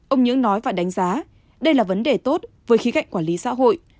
ông nhưỡng nói và đánh giá đây là vấn đề tốt với khí cạnh quản lý xã hội